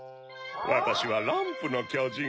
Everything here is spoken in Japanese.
わたしはランプのきょじん。